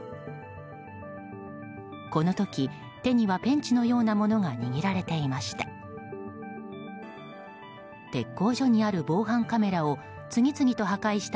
この時、手にはペンチのようなものが握られていました。